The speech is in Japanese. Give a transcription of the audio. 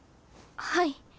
はい。